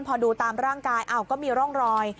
พอดูตามร่างกายก็มีร่องรอย